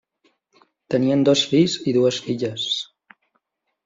Tenien dos fills i dues filles.